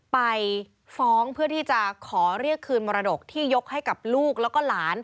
ไปฟ้องเพื่อที่จะขอเรียกคืนมรดกที่ยกให้กับลูกแล้วก็หลาน